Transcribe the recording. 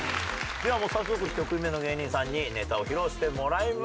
ではもう早速１組目の芸人さんにネタを披露してもらいましょう。